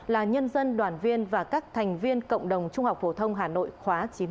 là nhân dân đoàn viên và các thành viên cộng đồng trung học phổ thông hà nội khóa chín nghìn một trăm chín mươi bốn